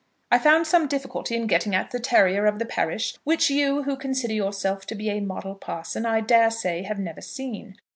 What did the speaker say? I found some difficulty in getting at the terrier of the parish, which you, who consider yourself to be a model parson, I dare say, have never seen.